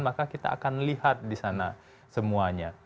maka kita akan lihat disana semuanya